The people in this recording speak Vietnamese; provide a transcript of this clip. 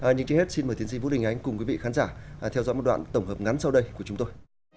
nhưng trước hết xin mời tiến sĩ vũ đình ánh cùng quý vị khán giả theo dõi một đoạn tổng hợp ngắn sau đây của chúng tôi